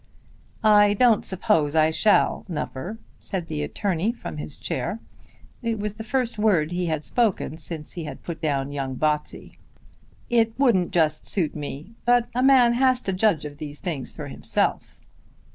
"I don't suppose I shall, Nupper," said the attorney from his chair. It was the first word he had spoken since he had put down young Botsey. "It wouldn't just suit me; but a man has to judge of those things for himself."